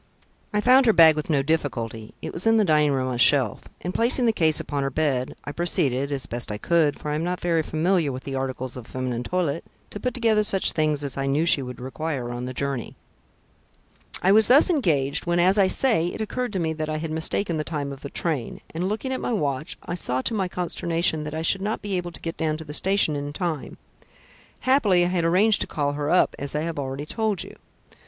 I found her bag with no difficulty it was in the dining room on a shelf, and placing the case upon her bed, I proceeded, as best I could, for I am not very familiar with the articles of feminine toilette, to put together such things as I knew she would require on the journey. "I was thus engaged when, as I say, it occurred to me that I had mistaken the time of the train, and, looking at my watch, I saw to my consternation that I should not be able to get down to the station in time. Happily I had arranged to call her up, as I have already told you."